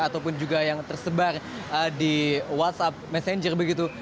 ataupun juga yang tersebar di whatsapp messenger begitu